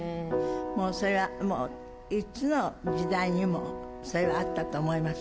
もうそれはもう、いつの時代にもそれはあったと思います。